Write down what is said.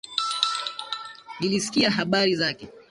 Nilisikia habari zake.